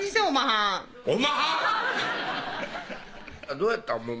⁉どうやったん？